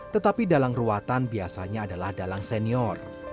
tetapi dalang ruatan biasanya adalah dalang senior